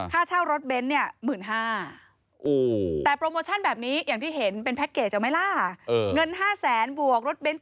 ถ้าเช่ารถเบนซ์เนี่ย๑๕๐๐๐บาท